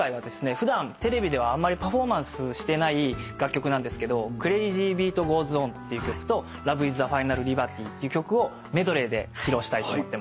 普段テレビではあんまりパフォーマンスしてない楽曲なんですけど『ＣｒａｚｙＢｅａｔＧｏｅｓＯｎ！』っていう曲と『ＬｏｖｅＩｓＴｈｅＦｉｎａｌＬｉｂｅｒｔｙ』っていう曲をメドレーで披露したいと思ってます。